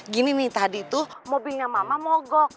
gini nih tadi tuh mobilnya mama mogok